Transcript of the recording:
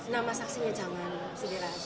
nama saksinya jangan sederhana